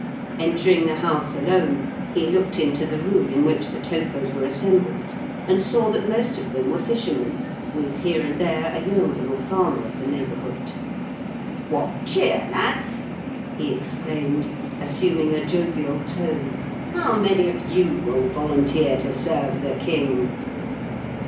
Entering the house alone, he looked into the room in which the topers were assembled, and saw that most of them were fishermen, with here and there a yeoman or farmer of the neighbourhood. " What cheer, lads ?" he exclaimed, assum ing a jovial tone. "How many of you will volunteer to serve the King